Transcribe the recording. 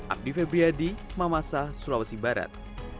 abdi febriadi mamasa sulawesi barat